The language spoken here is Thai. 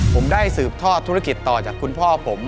ผมได้สืบทอดธุรกิจต่อจากคุณพ่อผม